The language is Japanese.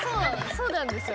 そうなんですよ。